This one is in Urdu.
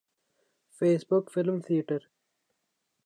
face book film theatre